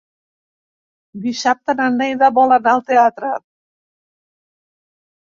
Dissabte na Neida vol anar al teatre.